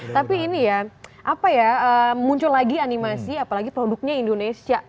tapi ini ya apa ya muncul lagi animasi apalagi produknya indonesia